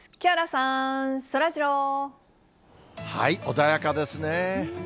穏やかですね。